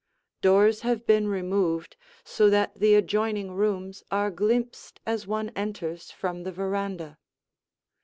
Doors have been removed so that the adjoining rooms are glimpsed as one enters from the veranda.